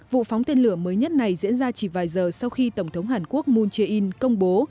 vụ phóng tên lửa mới nhất này diễn ra chỉ vài giờ sau khi tổng thống hàn quốc moon jae in công bố